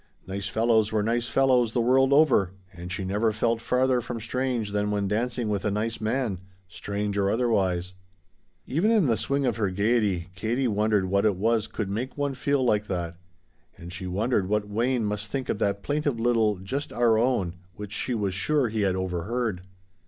Nice fellows were nice fellows the world over, and she never felt farther from strange than when dancing with a nice man strange or otherwise. Even in the swing of her gayety Katie wondered what it was could make one feel like that. And she wondered what Wayne must think of that plaintive little "Just our own" which she was sure he had overheard.